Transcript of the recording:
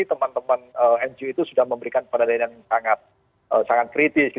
teman teman ngo itu sudah memberikan penilaian yang sangat kritis